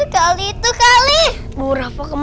gak ada pocong